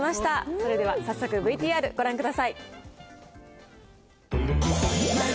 それでは早速ＶＴＲ、ご覧ください。